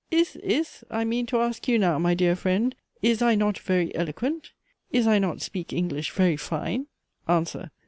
Is, is I mean to ask you now, my dear friend is I not very eloquent? Is I not speak English very fine? ANSWER.